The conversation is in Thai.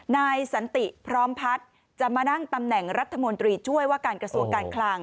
นายสันติพร้อมพัฒน์จะมานั่งตำแหน่งรัฐมนตรีช่วยว่าการกระทรวงการคลัง